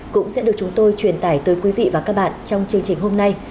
cũng sẽ được chúng tôi truyền tải tới quý vị và các bạn trong chương trình hôm nay